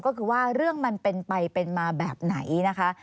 ก็คือว่าเรื่องมันเป็นไปเป็นมาแบบไหนนะคะ